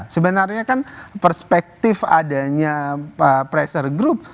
sebenarnya kan perspektif adanya pressure group